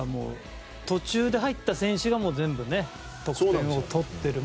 途中で入った選手が全部得点を取っている。